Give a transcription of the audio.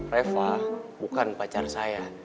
reva bukan pacar saya